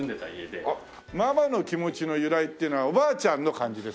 ママノキモチの由来っていうのはおばあちゃんの感じですか？